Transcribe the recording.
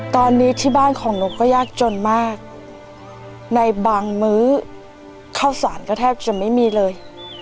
ตอนนี้ที่บ้านของหนูก็ยากจนมากในบางมื้อข้าวสารก็แทบจะไม่มีเลย